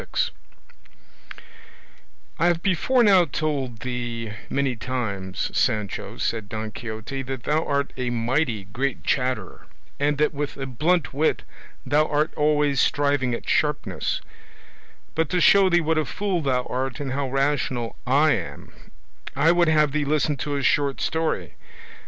"I have before now told thee many times, Sancho," said Don Quixote, "that thou art a mighty great chatterer, and that with a blunt wit thou art always striving at sharpness; but to show thee what a fool thou art and how rational I am, I would have thee listen to a short story.